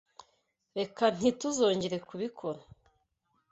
Reka ntituzongere kubikora.